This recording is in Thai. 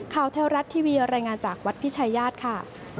เทวรัฐทีวีรายงานจากวัดพิชายาทค่ะ